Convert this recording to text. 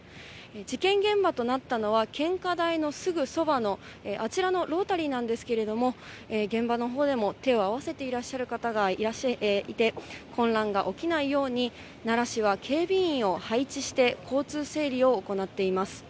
事件現場となったのは、献花台のすぐそばのあちらのロータリーなんですけれども、現場のほうでも手を合わせていらっしゃる方がいて、混乱が起きないように奈良市は警備員を配置して、交通整理を行っています。